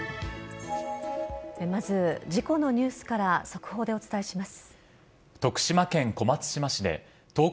まず事故のニュースから速報でお伝えします。